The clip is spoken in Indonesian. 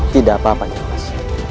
tidak apa apanya nimas